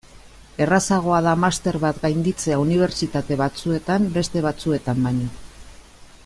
Errazagoa da master bat gainditzea unibertsitate batzuetan beste batzuetan baino.